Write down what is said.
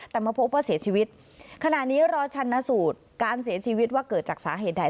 แต่มาพบว่าเสียชีวิตขณะนี้รอชันสูตรการเสียชีวิตว่าเกิดจากสาเหตุใด